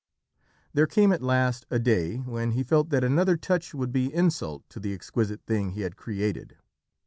There came, at last, a day when he felt that another touch would be insult to the exquisite thing he had created.